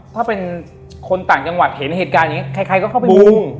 ถ้าเป็นคนต่างจังหวัดเห็นเหตุการณ์อย่างนี้ใครก็เข้าไปมุง